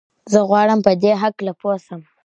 زه غواړم په دي هکله پوه سم.